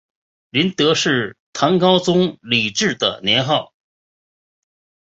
麟德是唐高宗李治的年号。